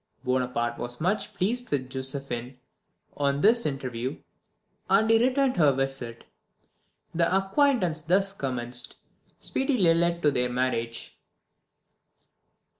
Bonaparte was much pleased with Josephine on this first interview, and he returned her visit. The acquaintance thus commenced speedily led to their marriage."